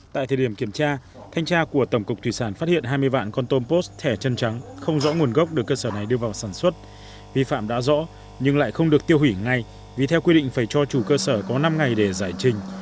tại thời điểm kiểm tra thanh tra của tổng cục thủy sản phát hiện hai mươi vạn con tôm bố thẻ chân trắng không rõ nguồn gốc được cơ sở này đưa vào sản xuất vi phạm đã rõ nhưng lại không được tiêu hủy ngay vì theo quy định phải cho chủ cơ sở có năm ngày để giải trình